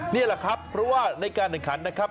นี่แหละครับเพราะว่าในการแข่งขันนะครับ